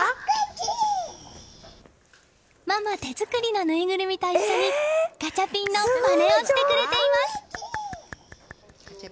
ママ手作りのぬいぐるみと一緒にガチャピンのまねをしてくれています！